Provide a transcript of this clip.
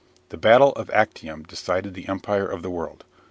The Bataille of Actium decided the Empire of the World.